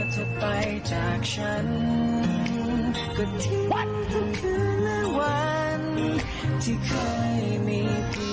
เสมอแบบนี้